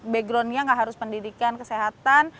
backgroundnya nggak harus pendidikan kesehatan